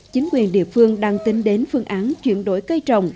chính quyền địa phương đang tính đến phương án chuyển đổi cây trồng